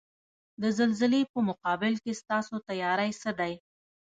د زلزلې په مقابل کې ستاسو تیاری څه دی؟